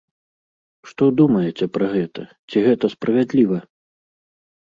Што думаеце пра гэта, ці гэта справядліва?